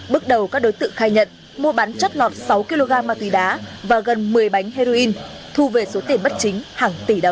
bước đầu các đối tượng khai nhận mua bán chất lọt sáu kg ma túy đá và gần một mươi bánh heroin thu về số tiền bất chính hàng tỷ đồng